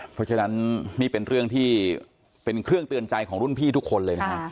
เพราะฉะนั้นนี่เป็นเรื่องที่เป็นเครื่องเตือนใจของรุ่นพี่ทุกคนเลยนะฮะ